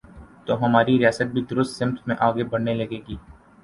تو ہماری ریاست بھی درست سمت میں آگے بڑھنے لگے گی۔